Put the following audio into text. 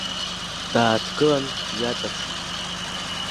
Дааҭгылан дҩаҵаԥшит.